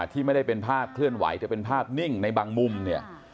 ที่ไม่ได้เป็นภาพเคลื่อนไหวแต่เป็นภาพนิ่งในบางมุมเนี่ย